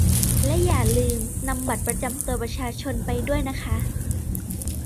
และอย่าลืมนำบัตรประจำตัวประชาชนไปด้วยนะคะ